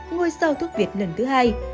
ngôi sao thuốc việt lần thứ hai